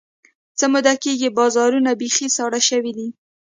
څه موده کېږي، بازارونه بیخي ساړه شوي دي.